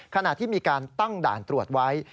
ขณะที่มีการตั้งด่านตรวจไว้